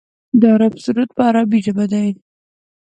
د عرب سرود په عربۍ ژبه دی.